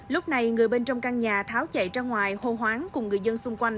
lúc này người bên trong căn nhà tháo chạy ra ngoài hô hoáng cùng người dân xung quanh